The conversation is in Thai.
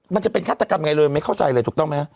มันจะเป็นฆาตกรรมไงเลยไม่เข้าใจเลยถูกต้องไหมฮะ